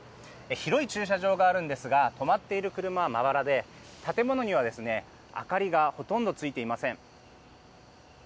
広い駐車場があるんですが止まっている車はまばらで建物には明かりがほとんどついていません。